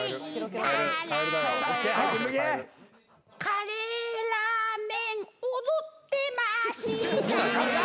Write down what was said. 「カレーラーメン踊ってました」